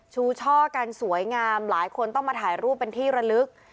ช่อกันสวยงามหลายคนต้องมาถ่ายรูปเป็นที่ระลึก